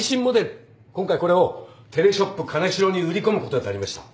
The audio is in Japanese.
今回これを『テレショップ金城』に売り込むことになりました。